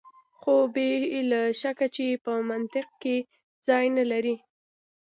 خو بې له شکه چې په منطق کې ځای نه لري.